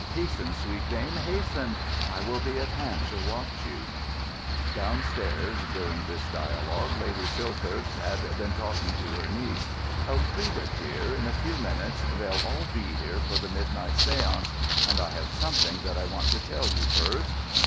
Hasten, sweet dame, hasten! I will be at hand to watch you." Downstairs, during this dialogue, Lady Silthirsk had been talking to her niece. "Elfrida, dear, in a few minutes they'll all be here for the midnight séance; and I have something that I want to tell you first."